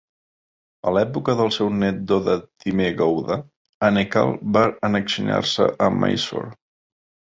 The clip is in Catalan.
A l'època del seu net Dodda ThimmeGowda, Anekal va annexionar-se a Mysore.